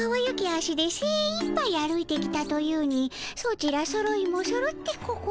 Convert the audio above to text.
足でせいいっぱい歩いてきたというにソチらそろいもそろって心がせまいの。